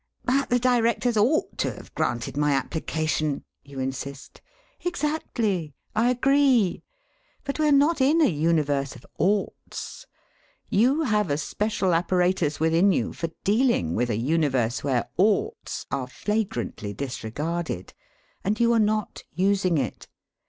'But the Directors ought to have granted my application,' you insist. Exactly! I agree. But we are not in a universe of oughts. You have a special apparatus within you for dealing with a universe where oughts are flagrantly disregarded. And you are not using it.